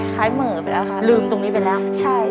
คล้ายเหมือไปแล้วค่ะลืมตรงนี้ไปแล้วใช่ใช่